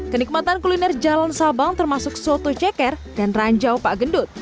kenikmatan kuliner jalan sabang termasuk soto ceker dan ranjau pak gendut